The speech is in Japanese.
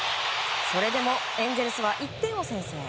それでもエンゼルスは１点を先制。